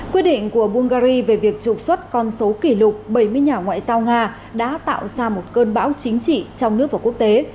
quyết định của bungary về việc trục xuất con số kỷ lục bảy mươi nhà ngoại giao nga đã tạo ra một cơn bão chính trị trong nước và quốc tế